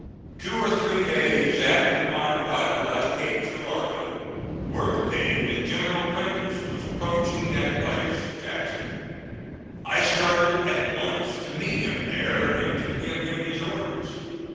Two or three days after my arrival at Cape Girardeau, word came that General Prentiss was approaching that place (Jackson). I started at once to meet him there and to give him his orders.